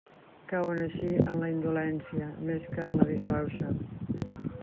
Cauen així en la indolència més que en la disbauxa.